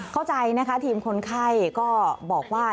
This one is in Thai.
เข้าใจนะคะทีมคนไข้ก็บอกว่า